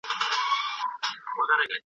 ملګري د بدلون مرسته کوي.